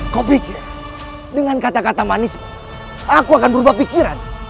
kau pikir dengan kata kata manis aku akan berubah pikiran